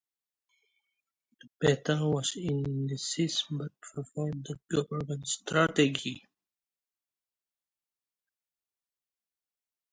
The battle was indecisive but favoured the government strategically.